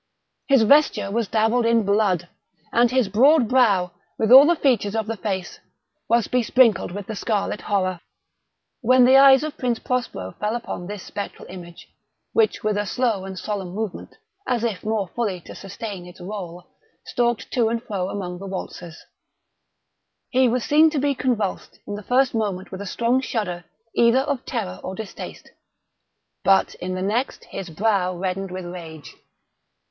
His vesture was dabbled in blood—and his broad brow, with all the features of the face, was besprinkled with the scarlet horror. When the eyes of Prince Prospero fell upon this spectral image (which with a slow and solemn movement, as if more fully to sustain its role, stalked to and fro among the waltzers) he was seen to be convulsed, in the first moment with a strong shudder either of terror or distaste; but, in the next, his brow reddened with rage.